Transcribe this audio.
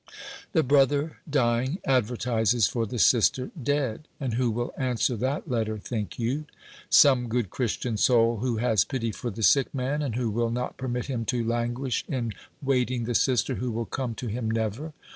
The brother, dying, advertises for the sister, dead; and who will answer that letter, think you? Some good Christian soul who has pity for the sick man, and who will not permit him to languish in waiting the sister who will come to him never.